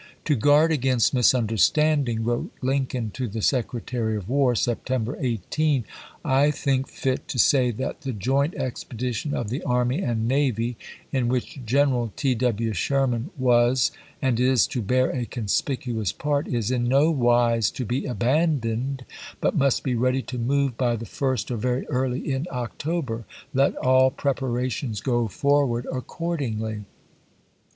" To guard against misunderstanding," wrote Lincoln to the Secretary of War, September 18, " I think fit to say that the joint expedition of the army and 16 ABRAHAM LINCOLN Chap. I. na^^', ... lu wliicli General T. W. Sherman was and is to bear a conspicuous part, is in no wise o?m?r°n? to be abandoned, but must be ready to move by 1^1^' wV\. the first or very early in October. Let all prepara '' 171.' ^' tions go forward accordingly."